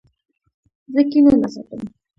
زه کینه نه ساتم.